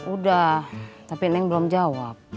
udah tapi neng belum jawab